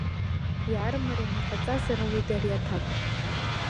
Иаармарианы иҟаҵазар ауеит ари аҭак.